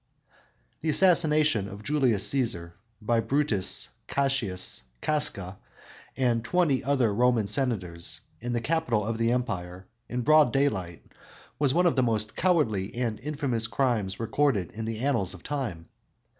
"_ The assassination of Julius Cæsar by Brutus, Cassius, Casca and twenty other Roman Senators, in the capital of the Empire in broad daylight, was one of the most cowardly and infamous crimes recorded in the annals of time.